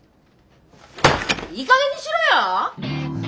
いいかげんにしろよ！